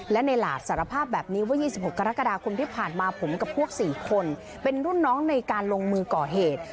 และในหลาดสารภาพแบบนี้ว่า๒๖กรกฎาคมที่ผ่านมาผมกับพวก๔คนเป็นรุ่นน้องในการลงมือก่อเหตุ